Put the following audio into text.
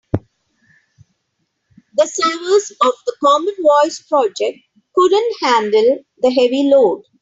The servers of the common voice project couldn't handle the heavy load.